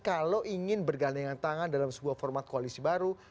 kalau ingin bergandingan tangan dalam sebuah format koalisi baru